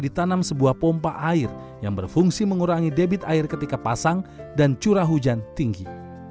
ditanam sebuah pompa air yang berfungsi mengurangi debit air ketika pasang dan curah hujan tinggi